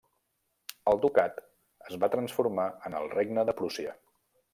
El ducat es va transformar en el regne de Prússia.